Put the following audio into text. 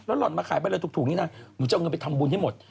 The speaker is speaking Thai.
หล่อนมาขายไปเลยถูกนี่นะหนูจะเอาเงินไปทำบุญให้หมด